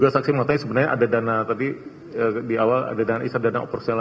saksi atau pak idil